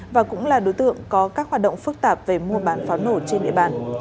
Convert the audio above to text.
và cũng là đối tượng có các hoạt động phức tạp về mua bán pháo nổ trên địa bàn